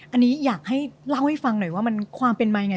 อันนี้อยากให้เล่าให้ฟังหน่อยว่ามันความเป็นมายังไง